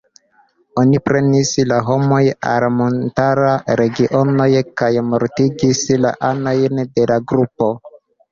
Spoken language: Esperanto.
Oni prenis la homojn al montara regiono kaj mortigis la anojn de la grupo.